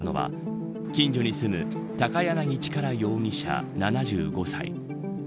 運転致傷の現行犯で逮捕されたのは近所に住む高柳力容疑者７５歳。